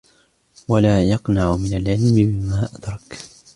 وَلَا يَقْنَعْ مِنْ الْعِلْمِ بِمَا أَدْرَكَ